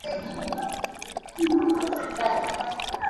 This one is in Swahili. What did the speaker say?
Virutubisho vya viazi lishe vina faida kubwa kiafya